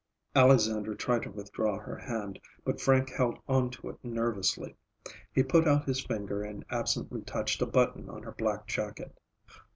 Alexandra tried to withdraw her hand, but Frank held on to it nervously. He put out his finger and absently touched a button on her black jacket.